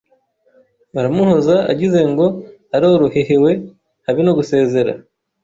Baramuhoza agizengo arorohehewe habe no gusezera